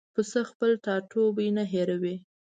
پسه خپل ټاټوبی نه هېروي.